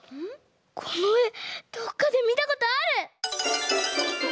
このえどっかでみたことある！